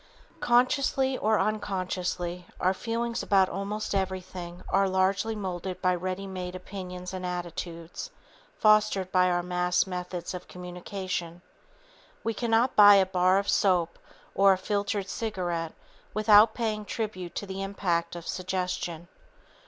Consciously or unconsciously, our feelings about almost everything are largely molded by ready made opinions and attitudes fostered by our mass methods of communication. We cannot buy a bar of soap or a filtered cigarette without paying tribute to the impact of suggestion.